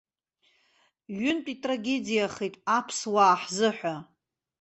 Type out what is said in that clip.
Ҩынтә итрагедиахеит аԥсуаа ҳзыҳәа.